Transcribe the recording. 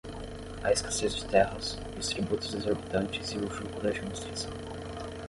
a escassez de terras, os tributos exorbitantes e o jugo da administração